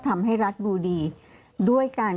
ทำไมรัฐต้องเอาเงินภาษีประชาชน